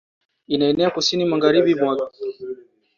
Inaenea kusini magharibi mwa Kenya kati ya latitude moja na tatu